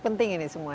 penting ini semua